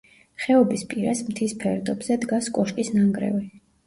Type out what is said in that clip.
ხეობის პირას, მთის ფერდობზე დგას კოშკის ნანგრევი.